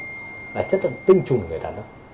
đó là chất lượng tinh trùng của người đàn ông